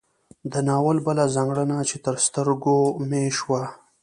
د ناول بله ځانګړنه چې تر سترګو مې شوه